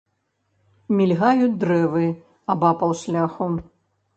Мільгаюць дрэвы абапал шляху.